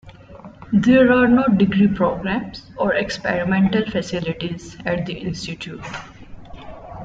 There are no degree programs or experimental facilities at the Institute.